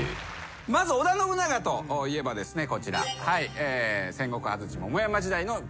まず織田信長といえばこちら。